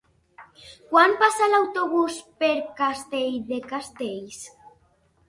Quan passa l'autobús per Castell de Castells?